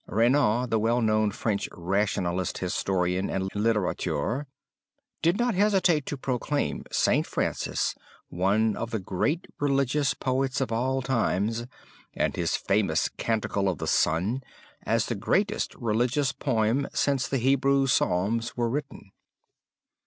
Renan, the well known French rationalist historian and literateur, did not hesitate to proclaim St. Francis one of the great religious poets of all time and his famous Canticle of the Sun as the greatest religious poem since the Hebrew Psalms were written.